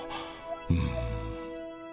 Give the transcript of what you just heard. うん。